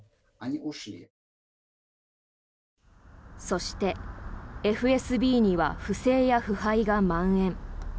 そして、ＦＳＢには不正や腐敗がまん延。